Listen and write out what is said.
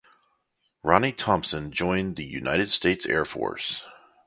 Ronnie Thompson joined the United States Air Force.